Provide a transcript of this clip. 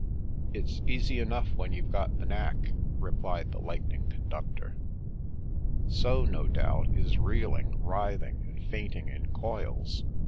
" It's easy enough when you've got the knack," replied the " Lightning Conductor." " So, no doubt, is reeling, writhing, and fainting in coils.